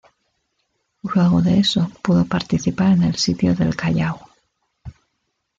Luego de eso pudo participar en el sitio del Callao.